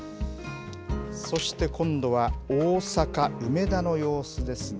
そして、今度は大阪・梅田の様子ですね。